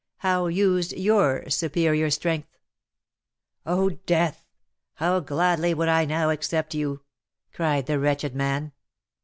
How used your superior strength?" "O Death! how gladly would I now accept you!" cried the wretched man.